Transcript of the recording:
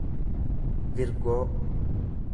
virgoo